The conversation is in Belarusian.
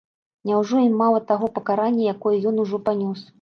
Няўжо ім мала таго пакарання, якое ён ужо панёс?